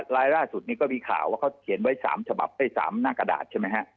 ลายล่าสุดนี้ก็มีข่าวว่าเขาเขียนไว้๓ฉบับได้๓หน้ากระดาษใช่ไหมฮะ